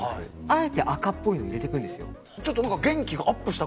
あえて赤っぽいのを入れていくんですよ。